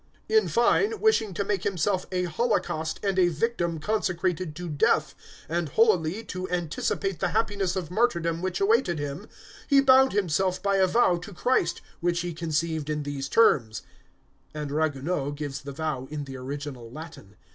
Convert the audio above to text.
In fine, wishing to make himself a holocaust and a victim consecrated to death, and holily to anticipate the happiness of martyrdom which awaited him, he bound himself by a vow to Christ, which he conceived in these terms"; and Ragueneau gives the vow in the original Latin.